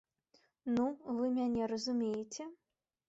Ну, вы мяне разумееце?